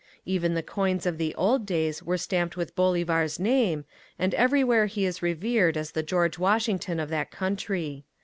Even the coins of the old days were stamped with Bolivar's name and everywhere he is revered as the George Washington of that country.